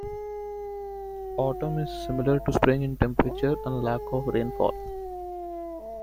Autumn is similar to spring in temperature and lack of rainfall.